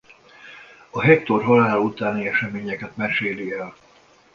A Hektór halála utáni eseményeket meséli el.